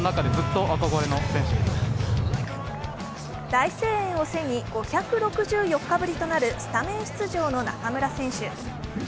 大声援を背に５６４日ぶりとなるスタメン出場の中村選手。